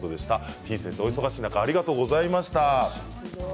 てぃ先生、お忙しい中ありがとうございました。